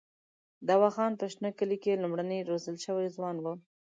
دوا خان په شنه کلي کې لومړنی روزل شوی ځوان وو.